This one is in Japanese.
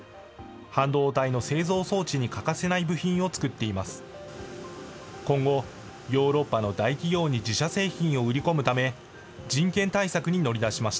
半導体の製造装置に欠かせない部品を作っています。